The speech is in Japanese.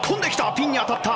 ピンに当たった。